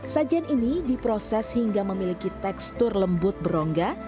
sajian ini diproses hingga memiliki tekstur lembut berongga